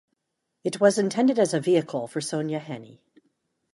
It was intended as a vehicle for Sonja Henie.